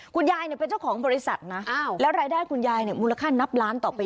คุณยายเป็นเจ้าของบริษัทนะแล้วรายได้คุณยายเนี่ยมูลค่านับล้านต่อปี